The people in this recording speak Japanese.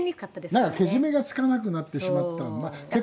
けじめがつかなくなってしまった。